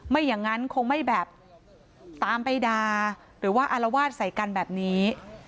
ไม่อย่างนั้นคงไม่แบบตามไปด่าหรือว่าอารวาสใส่กันแบบนี้